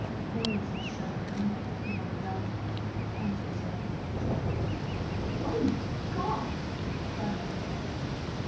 "Lloyd's has shut down, if you want to know," Andrew said, shortly. "Oh my God!" cried Eva.